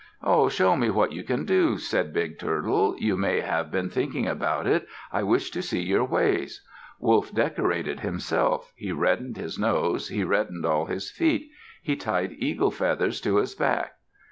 "Ho! Show me what you can do," said Big Turtle. "You may have been thinking about it. I wish to see your ways." Wolf decorated himself. He reddened his nose; he reddened all his feet. He tied eagle feathers to his back.